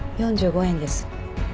４５円です。